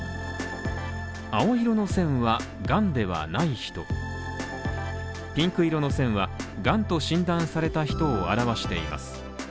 青色の線はがんではない人ピンク色の線は、がんと診断された人を表しています